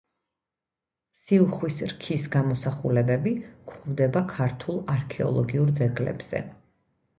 სიუხვის რქის გამოსახულებები გვხვდება ქართულ არქეოლოგიურ ძეგლებზე.